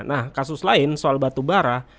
nah kasus lain soal batubara